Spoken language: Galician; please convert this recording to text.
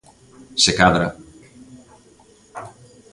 Se cadra.